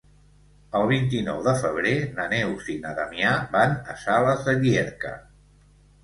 El vint-i-nou de febrer na Neus i na Damià van a Sales de Llierca.